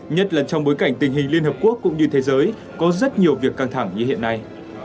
nhất là trong bối cảnh tình hình liên hợp quốc cũng như thế giới có rất nhiều việc căng thẳng như hiện nay